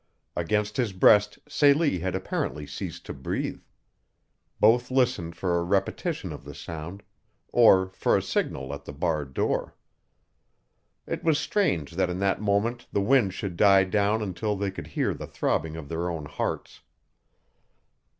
Against his breast Celie had apparently ceased to breathe. Both listened for a repetition of the sound, or for a signal at the barred door. It was strange that in that moment the wind should die down until they could hear the throbbing of their own hearts.